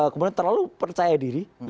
kemudian terlalu percaya diri